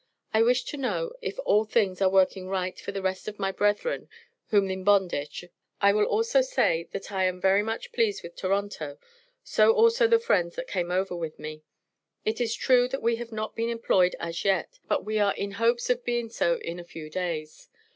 I wish to know if all things are working Right for the Rest of my Brotheran whom in bondage. I will also Say that I am very much please with Toronto, So also the friends that came over with. It is true that we have not been Employed as yet; but we are in hopes of be'en so in a few days.